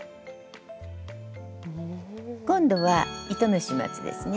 今度は糸の始末ですね。